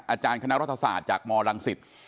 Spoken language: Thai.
อาจารย์คณะรัฐศาสตร์จากมลังศิษย์